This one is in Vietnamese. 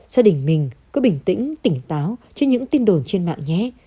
gia đình mình cứ bình tĩnh tỉnh táo trên những tin đồn trên mạng nhé